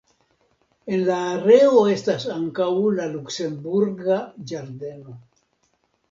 En la areo estas ankaŭ la Luksemburga Ĝardeno.